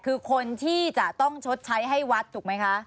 คือคนที่จะต้องชดใช้ให้วัดถูกไหมคะ